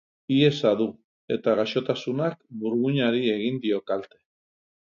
Hiesa du, eta gaixotasunak burmuinari egin dio kalte.